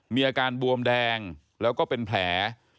มีอาการบวมแดงแล้วก็เป็นแผล